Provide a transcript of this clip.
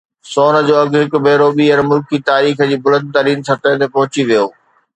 سون جو اگهه هڪ ڀيرو ٻيهر ملڪي تاريخ جي بلند ترين سطح تي پهچي ويو